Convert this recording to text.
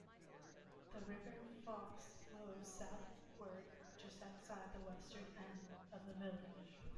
The River Foss flows southwards just outside the western end of the village.